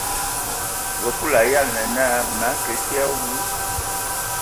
Vǝ Kulu a yalan naa: Mǝ akə kig a awu.